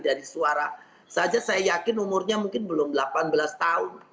dari suara saja saya yakin umurnya mungkin belum delapan belas tahun